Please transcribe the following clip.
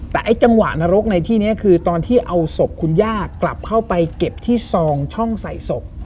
แต่ไอ้จังหวะนรกในที่นี้คือตอนที่เอาศพคุณย่ากลับเข้าไปเก็บที่ซองช่องใส่ศพ